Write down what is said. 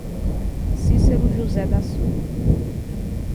Cicero José da Silva